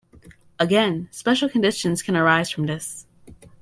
Again, special conditions can arise from this.